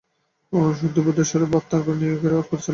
শুদ্ধ বোধস্বরূপ আত্মা প্রাণের নিয়ামক ও পরিচালক।